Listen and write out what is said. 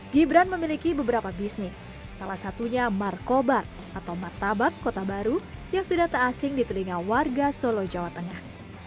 gibran memiliki beberapa bisnis salah satunya markobar atau martabak kota baru yang sudah tak asing di telinga warga solo jawa tengah